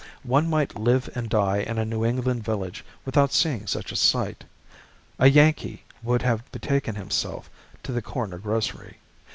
One might live and die in a New England village without seeing such a sight. A Yankee would have betaken himself to the corner grocery.